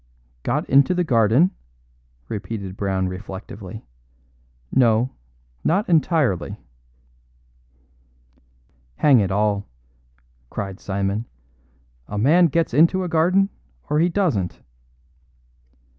"Got into the garden?" repeated Brown reflectively. "No, not entirely." "Hang it all," cried Simon, "a man gets into a garden, or he doesn't."